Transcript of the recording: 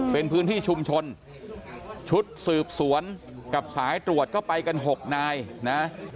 เป็นพื้นที่ชุมชนชุดสืบสวนกับสายตรวจก็ไปกัน๖นายนะ